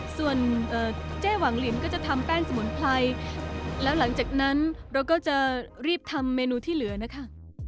ส่วนเจ๊หวังลินก็จะทำแป้งสมุนไพรแล้วหลังจากนั้นเราก็จะรีบทำเมนูที่เหลือนะคะ